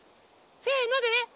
せので。